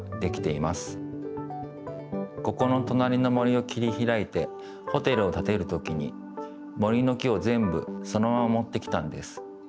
ここのとなりの森を切りひらいてホテルをたてるときに森の木をぜんぶそのままもってきたんです。